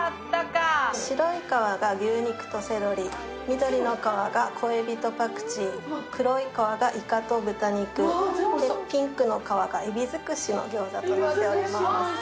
白い皮が牛肉とセロリ、緑の皮がこえびとパクチー、濃い色の皮が豚肉、ピンクの皮がえび尽くしの餃子となっております。